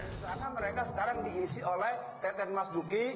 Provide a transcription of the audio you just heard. karena mereka sekarang diisi oleh teten mas duki